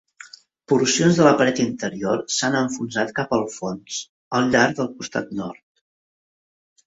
Porcions de la paret interior s'han enfonsat cap al fons al llarg del costat nord.